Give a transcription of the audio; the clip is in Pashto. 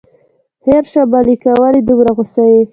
خیر شه ملکه، ولې دومره غوسه یې.